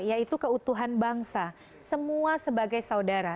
yaitu keutuhan bangsa semua sebagai saudara